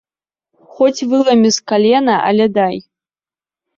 Хоць выламі з калена, але дай.